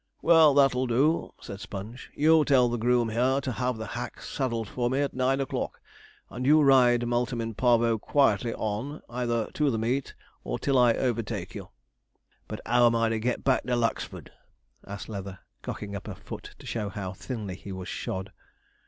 'Well, that'll do,' said Sponge; 'you tell the groom here to have the hack saddled for me at nine o'clock, and you ride Multum in Parvo quietly on, either to the meet or till I overtake you.' 'But how am I to get back to Lucksford?' asked Leather, cocking up a foot to show how thinly he was shod.